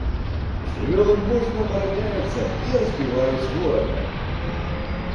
Жывёлы мужна абараняюцца і разбіваюць ворага.